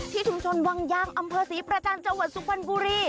ที่ชุมชนวังยางอำเภอสีประจานจังหวัดสุพรณบุรี